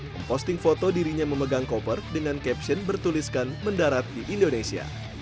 memposting foto dirinya memegang koper dengan caption bertuliskan mendarat di indonesia